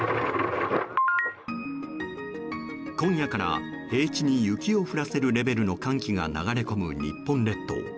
今夜から平地に雪を降らせるレベルの寒気が流れ込む日本列島。